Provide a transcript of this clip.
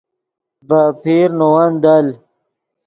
ڤے اپیر نے ون دل